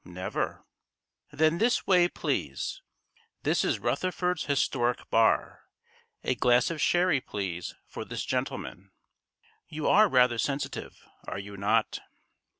"Never." "Then this way, please. This is Rutherford's historic bar. A glass of sherry, please, for this gentleman. You are rather sensitive, are you not?"